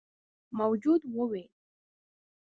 موجود وويل: